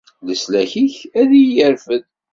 Leslak-ik a iyi-irfed.